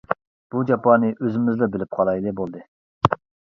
بۇ جاپانى ئۆزىمىزلا بىلىپ قالايلى بولدى.